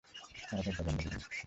তাঁরা দরজা বন্ধ পেলেন।